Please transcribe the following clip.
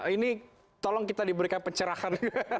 ini tolong kita diberikan pencerahan